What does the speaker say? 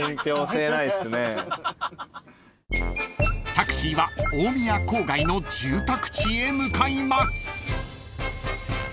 ［タクシーは大宮郊外の住宅地へ向かいます］